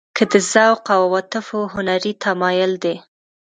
که د ذوق او عواطفو هنري تمایل دی.